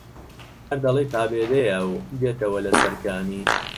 هەر دەڵێی پابێدەیە و دێتەوە لەسەر کانی